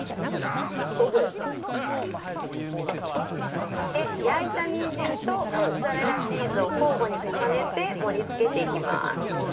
オーケー。で焼いたにんじんとモッツァレラチーズを交互に重ねて盛り付けていきます。